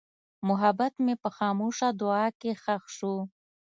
محبت مې په خاموشه دعا کې ښخ شو.